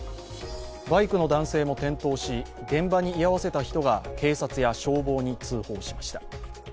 バイクの男性も転倒し現場に居合わせた人が警察や消防に通報しました。